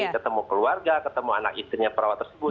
ketemu keluarga ketemu anak istrinya perawat tersebut